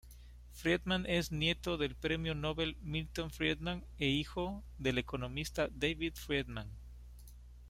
Friedman es nieto del Premio Nobel Milton Friedman e hijo del economista David Friedman.